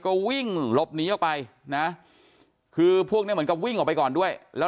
ก็วิ่งหลบหนีออกไปนะคือพวกนี้เหมือนกับวิ่งออกไปก่อนด้วยแล้ว